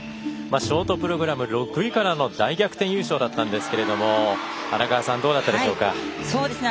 ショートプログラム６位からの大逆転優勝だったんですけども荒川さんどうでしたでしょうか？